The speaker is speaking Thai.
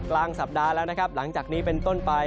กลางสัปดาห์แล้วนะครับหลังจากนี้เป็นต้นไป